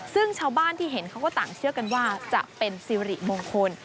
ซึ่งชาวบ้านที่เห็นเขาก็ต่างเชื่อกันว่าจะเป็นสิริมงคล